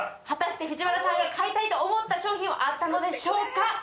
果たして藤原さんが買いたいと思った商品はあったのでしょうか。